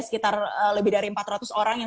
sekitar lebih dari empat ratus orang yang